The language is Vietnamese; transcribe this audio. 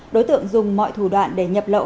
đối tượng dùng mọi thủ đoạn để nhập lậu